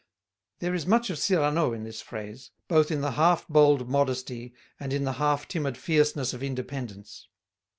There is much of Cyrano in this phrase, both in the half bold modesty and in the half timid fierceness of independence.